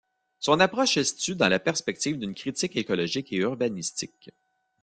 Son approche se situe dans la perspective d'une critique écologique et urbanistique.